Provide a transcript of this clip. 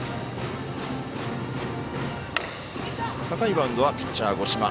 高いバウンドはピッチャー、五島。